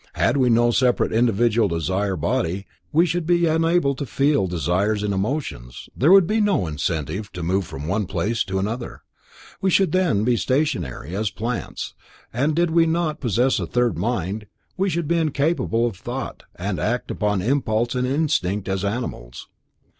Had we no separate individual desire body, we should be unable to feel desires and emotions, there would be no incentive to move from one place to another. We should then be stationary as plants, and did we not possess a mind, we should be incapable of thought, and act upon impulse and instinct as animals.